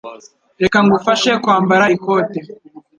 Reka ngufashe kwambara ikote.